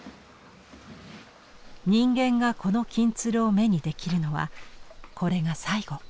人間がこの金鶴を目にできるのはこれが最後。